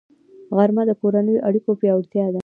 غرمه د کورنیو اړیکو پیاوړتیا ده